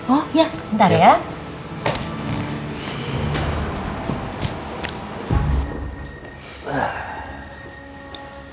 oh iya bentar ya